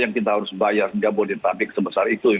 dan kita harus bayar jambu di pabrik sebesar itu